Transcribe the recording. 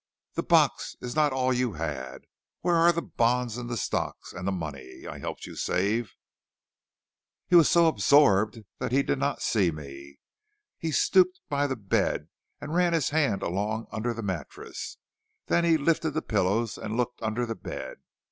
'That box is not all you had. Where are the bonds and the stocks, and the money I helped you to save?' "He was so absorbed he did not see me. He stooped by the bed and ran his hand along under the mattresses; then he lifted the pillows and looked under the bed.